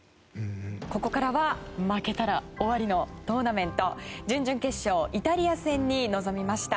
ここからは負けたら終わりのトーナメント準々決勝イタリア戦に臨みました。